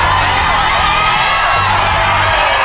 ๗ถ้วย